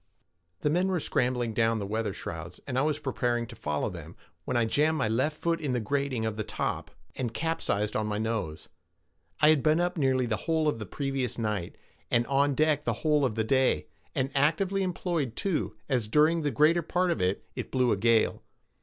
The men were scrambling down the weather shrouds, and I was preparing to follow them, when I jammed my left foot in the grating of the top, and capsized on my nose. I had been up nearly the whole of the previous night, and on deck the whole of the day, and actively employed too, as during the greater part of it it blew a gale.